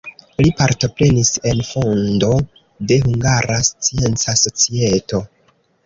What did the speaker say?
Li partoprenis en fondo de Hungara Scienca Societo.